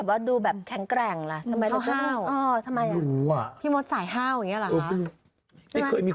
ว่าไง